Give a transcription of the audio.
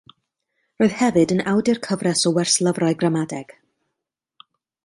Roedd hefyd yn awdur cyfres o werslyfrau gramadeg.